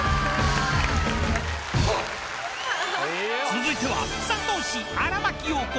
［続いては］